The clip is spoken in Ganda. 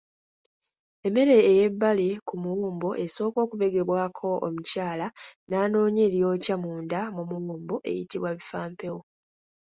Emmere eyebbali ku muwumbo esooka okubegebwako omukyala n'anoonya eryokya munda mu muwumbo eyitibwa Bifampewo.